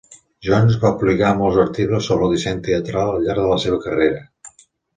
Jones va publicar molts articles sobre disseny teatral al llarg de la seva carrera.